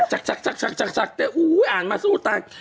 เป็นฉักแต่อุ๊ยอ่านมาสะลุได้